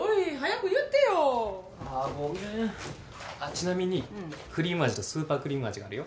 ちなみにクリーム味とスーパークリーム味があるよ。